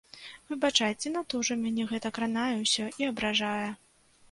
Выбачайце, надта ўжо мяне гэта кранае ўсё і абражае.